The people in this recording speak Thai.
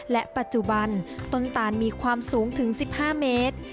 และปัจจุบันต้นตานมีความสูงถึง๑๕เมตร